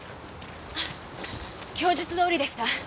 供述どおりでした。